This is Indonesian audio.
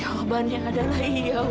mereka kepentingan diberkati itu